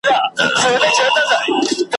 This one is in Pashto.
هم ګیله من یو له نصیب هم له انسان وطنه `